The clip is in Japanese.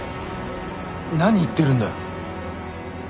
何言ってるんだよ？